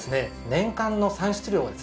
年間の産出量はですね